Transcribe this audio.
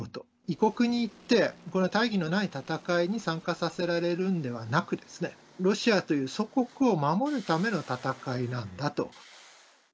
異国に行って大義のない戦いに参加させられるんではなく、ロシアという祖国を守るための戦いなんだと。